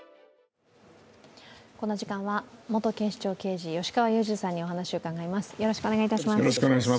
この時間は元警視庁刑事吉川祐二さんにお話を伺います。